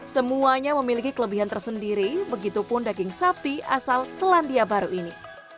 semuanya memiliki kelebihan tersendiri begitupun daging sapi asal selandia baru ini